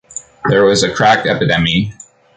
There was a crack epidemy.